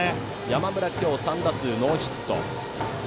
山村今日３打数ノーヒット。